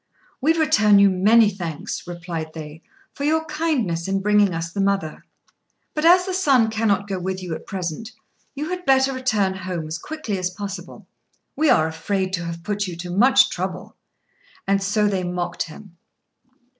"We return you many thanks," replied they, "for your kindness in bringing us the mother; but, as the son cannot go with you at present, you had better return home as quickly as possible. We are afraid we have put you to much trouble." And so they mocked him.